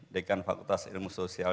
dekan fakultas ilmu sosial